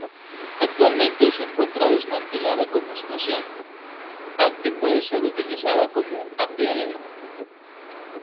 Actualmente se encuentra desmantelada como estación, aunque puede ser utilizada como apeadero.